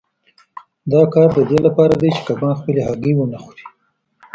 دا کار د دې لپاره دی چې کبان خپلې هګۍ ونه خوري.